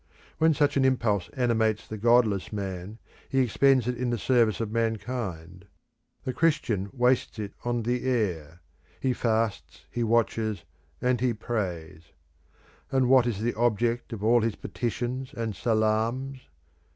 When such an impulse animates the godless man he expends it in the service of mankind; the Christian wastes it on the air; he fasts, he watches, and he prays. And what is the object of all his petitions and salaams?